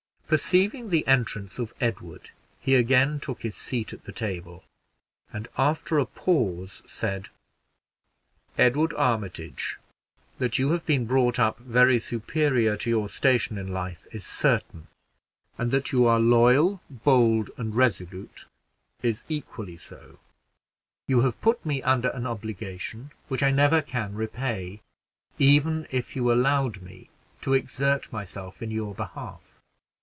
Perceiving the entrance of Edward, he again took his seat at the table, and after a pause said, "Edward Armitage, that you have been brought up very superior to your station in life is certain; and that you are loyal, bold, and resolute is equally so; you have put me under an obligation which I never can repay, even if you allowed me to exert myself in your behalf.